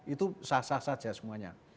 itu sah sah saja semuanya